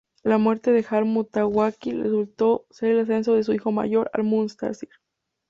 La muerte de Al-Mutawákkil resultó en el ascenso de su hijo mayor al-Muntasir.